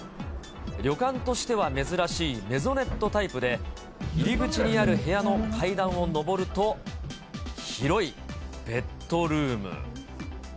旅館としては珍しいメゾネットタイプで、入り口になる部屋の階段を上ると、広いベッドルーム。